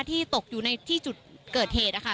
ที่ตกอยู่ในที่จุดเกิดเหตุค่ะ